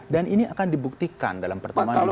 dan ini akan dibuktikan dalam pertemuan di bali